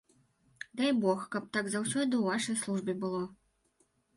Дай бог, каб так заўсёды ў вашай службе было.